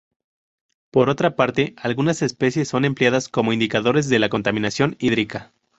Por otra parte, algunas especies son empleadas como indicadores de la contaminación hídrica.